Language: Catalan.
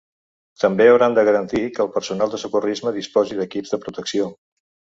També hauran de garantir que el personal de socorrisme disposi d’equips de protecció.